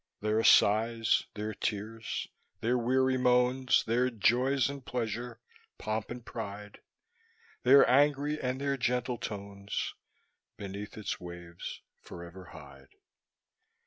Their sighs, their tears, their weary moans, Their joy and pleasure, pomp and pride, Their angry and their gentle tones, Beneath its waves forever hide.